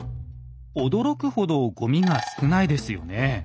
驚くほどごみが少ないですよね。